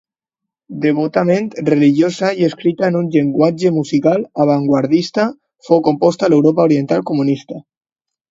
Devotament religiosa i escrita en un llenguatge musical avantguardista, fou composta a l'Europa Oriental comunista.